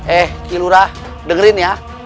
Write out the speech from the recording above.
eh kilurah dengerin ya